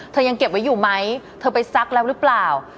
ยังเก็บไว้อยู่ไหมเธอไปซักแล้วหรือเปล่า